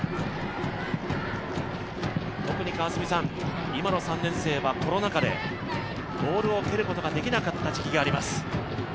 特に、今の３年生はコロナ禍でボールを蹴ることができなかった時期があります。